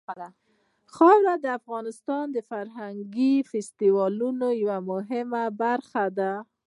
خاوره د افغانستان د فرهنګي فستیوالونو یوه مهمه برخه ده.